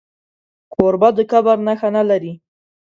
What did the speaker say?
کوربه د کبر نښه نه لري.